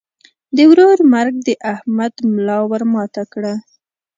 د ورور مرګ د احمد ملا ور ماته کړه.